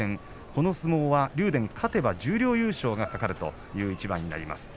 この相撲は竜電に勝てば十両優勝が懸かるという一番になります。